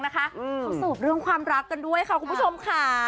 สืบเรื่องความรัก